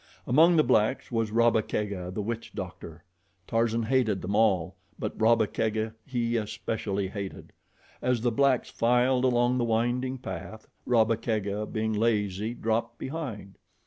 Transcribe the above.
Among the blacks was Rabba Kega, the witch doctor. Tarzan hated them all; but Rabba Kega he especially hated. As the blacks filed along the winding path, Rabba Kega, being lazy, dropped behind.